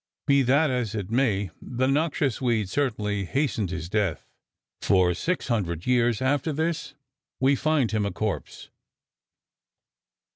Be that as it may, the noxious weed certainly hastened his death, for 600 years after this we find him a corpse!